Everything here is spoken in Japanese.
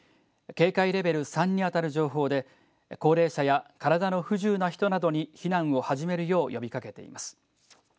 警戒レベル３に当たる情報で高齢者や体の不自由な人などに避難を始めるよう呼びかけています。